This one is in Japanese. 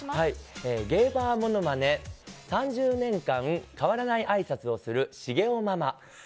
ゲイバーものまね、３０年間変わらないあいさつをするシゲオママ。